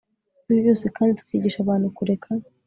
byuburyo bwose kandi tukigisha abantu kureka